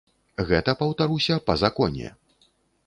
Гэта, паўтаруся, па законе.